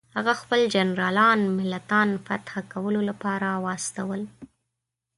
هغه خپل جنرالان ملتان فتح کولو لپاره واستول.